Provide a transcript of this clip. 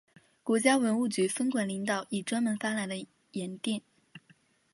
国家文物局分管领导也专门发来唁电。